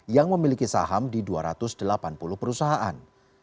yang memiliki saham di dua ratus delapan puluh perusahaan